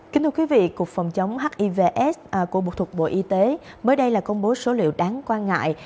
kính thưa quý vị cục phòng chống hiv s của bộ thuật bộ y tế mới đây là công bố số liệu đáng quan ngại